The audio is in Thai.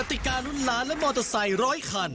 กติการรุ้นร้านและมอเตอร์ไซค์๑๐๐คัน